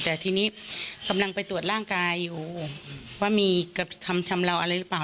แต่ทีนี้กำลังไปตรวจร่างกายอยู่ว่ามีกระทำชำเลาอะไรหรือเปล่า